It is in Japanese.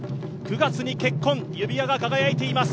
９月に結婚、指輪が輝いています。